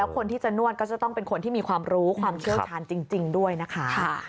คนที่จะนวดก็จะต้องเป็นคนที่มีความรู้ความเชี่ยวชาญจริงด้วยนะคะ